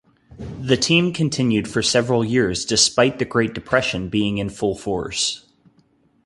The team continued for several years despite the great depression being in full force.